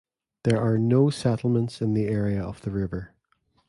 There are no settlements in the area of the river.